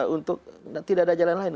untuk tidak ada jalan lain